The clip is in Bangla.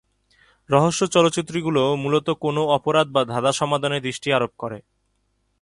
রহস্য চলচ্চিত্রগুলি মূলত কোনও অপরাধ বা ধাঁধা সমাধানে দৃষ্টি আরোপ করে।